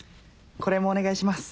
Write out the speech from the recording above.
これもお願いします。